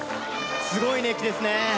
すごい熱気ですね。